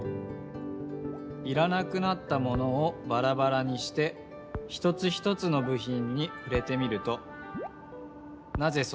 いらなくなったものをバラバラにして一つ一つのぶひんにふれてみるとなぜその形なのか？